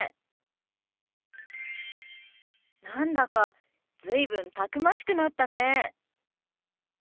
何だか随分たくましくなったね。